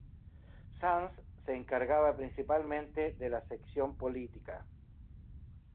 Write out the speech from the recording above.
Sanz se encargaba principalmente de la sección política.